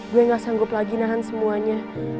gue gak sanggup lagi nahan semuanya